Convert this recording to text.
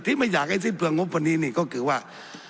ไม่อยากให้สิ้นเปลืองงบวันนี้นี่ก็คือว่า